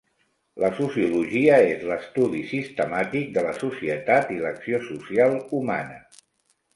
La sociologia és l'estudi sistemàtic de la societat i l'acció social humana.